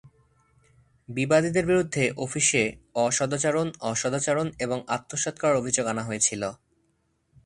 বিবাদীদের বিরুদ্ধে অফিসে অসদাচরণ, অসদাচরণ এবং আত্মসাৎ করার অভিযোগ আনা হয়েছিল।